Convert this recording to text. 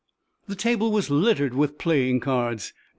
The table was littered with playing cards.